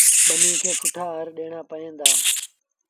ٻنيٚ کي سُٺآ هر ڏيٚڻآݩ پئيٚن دآ۔